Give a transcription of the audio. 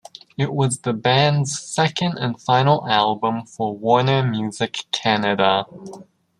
It was the band's second and final album for Warner Music Canada.